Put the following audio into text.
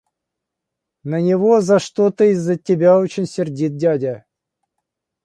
– На него за что-то из-за тебя очень сердит дядя.